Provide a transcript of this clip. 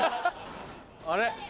あれ。